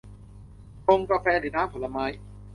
ชา กาแฟ หรือน้ำผลไม้